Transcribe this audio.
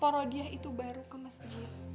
poro dia itu baru ke masjid